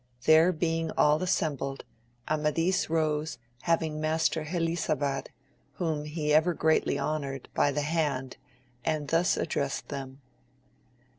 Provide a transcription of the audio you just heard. There being all assembled, Amadis rose having Master Helisabad, whom he ever greatly honoured, by the hand, and thus addressed them.